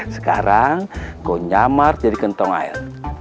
sekarang kau nyamar jadi kentong air